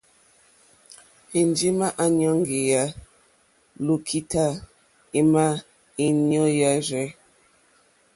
Enjema a nɔ̀ŋgeya lokità, àma è nyoò yàrzɛ.